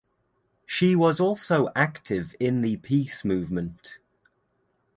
She was also active in the peace movement.